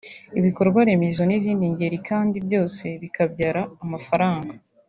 ibikorwa remezo n’izindi ngeri kandi byose bikabyara amafaranga